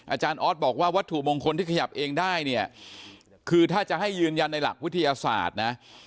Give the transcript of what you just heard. อาจารย์ออสบอกว่าวัตถุมงคลที่ขยับเองได้เนี่ยคือถ้าจะให้ยืนยันในหลักวิทยาศาสตร์นะ